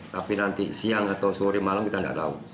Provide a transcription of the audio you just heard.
tapi nanti siang atau sore malam kita nggak tahu